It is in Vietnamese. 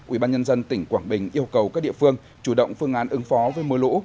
ubnd tỉnh quảng bình yêu cầu các địa phương chủ động phương án ứng phó với mưa lũ